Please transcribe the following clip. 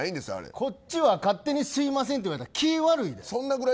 こっちは勝手にすみませんって言われたら気が悪いで。